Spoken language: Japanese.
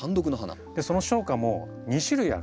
その小花も２種類ある。